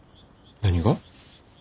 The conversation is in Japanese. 何が？